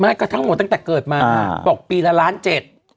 ไม่ก็ทั้งหมดตั้งแต่เกิดมาบอกปีละล้านเจ็ด